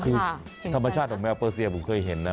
คือธรรมชาติของแมวเปอร์เซียผมเคยเห็นนะ